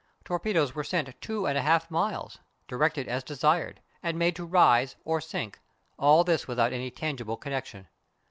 Torpedoes were sent 2 1/2 miles, directed as desired, and made to rise or sink all this without any tangible connection.